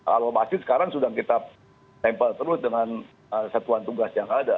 kalau masih sekarang sudah kita tempel terus dengan satuan tugas yang ada